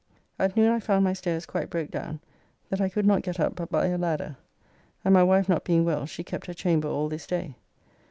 At noon I found my stairs quite broke down, that I could not get up but by a ladder; and my wife not being well she kept her chamber all this day.